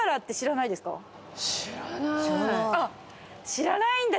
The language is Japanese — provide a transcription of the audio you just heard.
知らないんだ。